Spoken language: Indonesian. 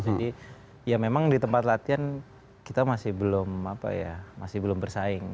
jadi ya memang di tempat latihan kita masih belum apa ya masih belum bersaing